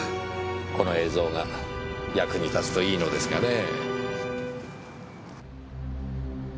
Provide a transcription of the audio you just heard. この映像が役に立つといいのですがねぇ。